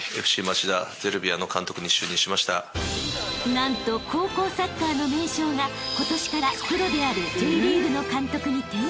［何と高校サッカーの名将が今年からプロであるＪリーグの監督に転身］